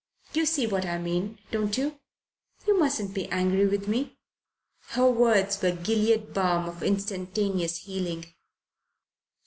You see what I mean, don't you? You mustn't be angry with me!" Her words were Gilead balm of instantaneous healing.